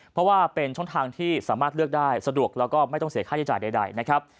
เพราะว่าเป็นช่องทางที่สามารถเลือกได้สะดวกแล้วก็ไม่ต้องเสียค่าใช้จ่ายใดนะครับ